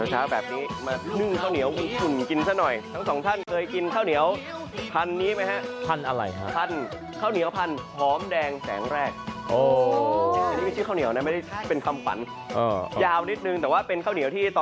หลุกข้าวเหนียวหลุกข้าวเหนียวหักสันต้มเกลี้ยวหักเหนียวแง่นหลุกหัวไพร